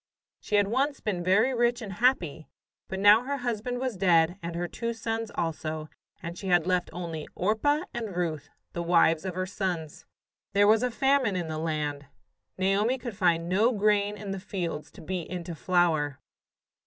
She had once been very rich and happy, but now her husband was dead and her two sons also, and she had left only Orpah and Ruth, the wives of her sons. There was a famine in the land. Naomi could find no grain in the fields to beat into flour.